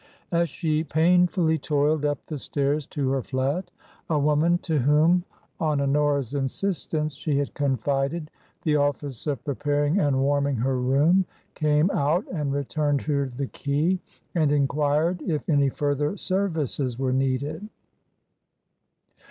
As she painfully toiled up the stairs to her flat, a woman to whom, on Honora's insistence, she had confided the office of preparing and warming her room, came out and returned her the key, and enquired if any further services were needed.